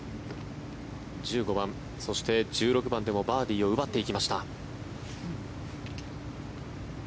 １５番、そして１６番でもバーディーを奪っていきました。